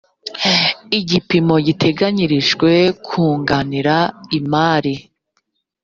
igipimo giteganyirijwe kunganira imari